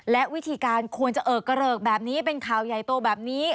และวิธีการควรจะเอิกกระเริกแบบนี้เป็นข่าวใหญ่โตแบบนี้